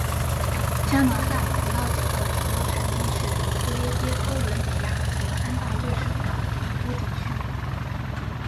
加拿大葡萄酒的主要产地是不列颠哥伦比亚和安大略省的南部地区。